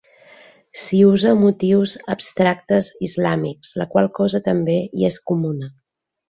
S'hi usa motius abstractes islàmics, la qual cosa també hi és comuna.